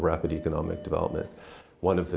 mà phải thay đổi những thứ